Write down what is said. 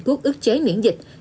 thuốc ước chế miễn dịch